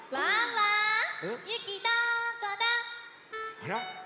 あら？